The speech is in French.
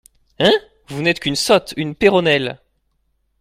Hein ?… vous n’êtes qu’une sotte, une péronnelle !